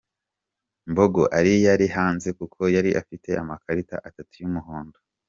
Mbogo Ali yari hanze kuko yari afite amakarita atatu y'umuhondo.